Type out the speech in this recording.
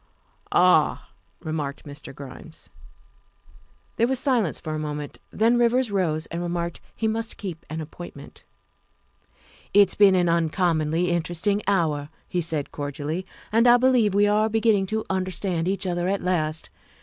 "Ah," remarked Mr. Grimes. There was silence for a moment, then Rivers rose and remarked he must keep an appointment. " It's been an uncommonly interesting hour," he said cordially, " and I believe we are beginning to under stand each other at last.